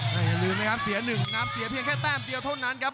แต่อย่าลืมนะครับเสีย๑น้ำเสียเพียงแค่แต้มเดียวเท่านั้นครับ